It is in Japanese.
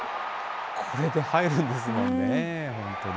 これで入るんですもんね、本当に。